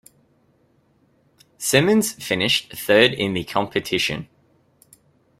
Simmons finished third in the competition.